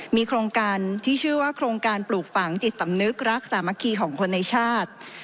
มีโครงการที่ชื่อว่าโครงการปลูกฝังจิตสำนึกรักสามัคคีของคนในชาติ